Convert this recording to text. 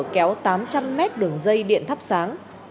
kéo tám trăm linh m đường dây điện thấp sáng